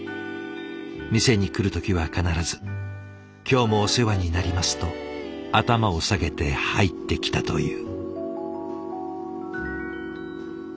店に来る時は必ず「今日もお世話になります」と頭を下げて入ってきたという。